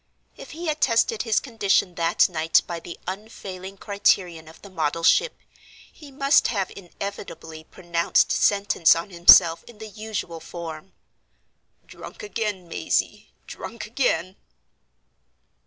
If he had tested his condition that night by the unfailing criterion of the model ship, he must have inevitably pronounced sentence on himself in the usual form: "Drunk again, Mazey; drunk again."